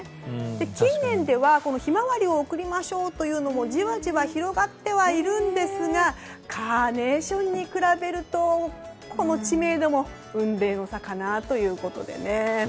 近年では、ヒマワリを贈りましょうというのもじわじわ広がって入るんですがカーネーションに比べるとこの知名度も雲泥の差かなということで。